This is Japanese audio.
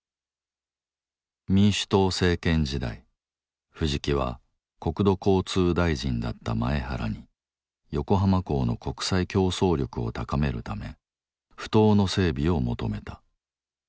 民主党政権時代藤木は国土交通大臣だった前原に横浜港の国際競争力を高めるためふ頭の整備を求めた。